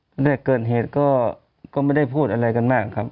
ตั้งแต่เกิดเหตุก็ไม่ได้พูดอะไรกันมากครับ